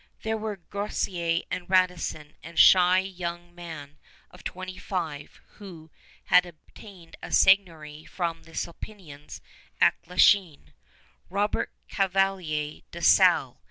There were Groseillers and Radisson and a shy young man of twenty five who had obtained a seigniory from the Sulpicians at Lachine Robert Cavelier de La Salle.